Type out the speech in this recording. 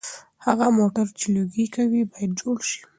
هغه موټر چې لوګي کوي باید جوړ شي.